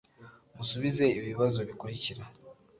Musubize ibi bibazo bikurikira: